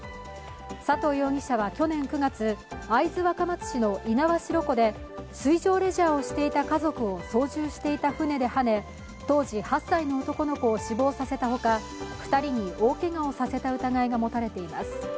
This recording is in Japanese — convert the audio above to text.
佐藤容疑者は去年９月、会津若松市の猪苗代湖で水上レジャーをしていた家族を操縦していた船ではね、当時８歳の男の子を死亡させた他、２人におおけがをさせた疑いが持たれています。